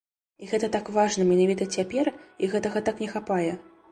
І гэта так важна менавіта цяпер, і гэтага так не хапае.